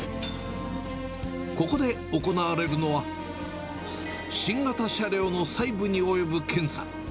ここで行われるのは、新型車両の細部に及ぶ検査。